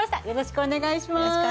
よろしくお願いします。